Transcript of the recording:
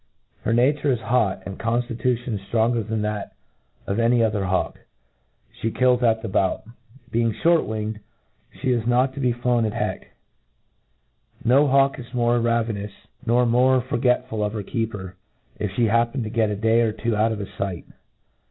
Her nature is hot, and conftitutioi)i ftrong icjr than that of any other bawk. She kills at the bout. Rcing flxort winged, flic is nqj to be flowa MODERN FAULCONRT. 215 flown" at heck* No hawk is more ravenous, nor more foTgctful of her keeper, if fhe happen to get a day or two out of his fight.